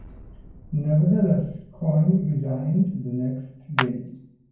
Nevertheless, Coyne resigned the next day.